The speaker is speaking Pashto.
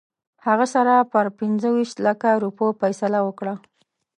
هغه سره پر پنځه ویشت لکه روپیو فیصله وکړه.